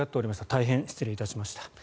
大変失礼しました。